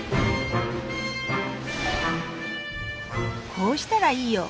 「こうしたらいいよ。